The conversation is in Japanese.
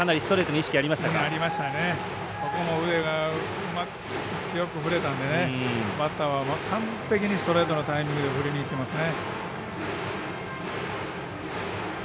腕が強く振れたのでバッターは完璧にストレートのタイミングで振りにいっていますね。